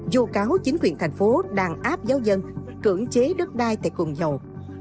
du cáo chính quyền thành phố đàn áp giáo dân cưỡng chế đất đai tại cùng giàu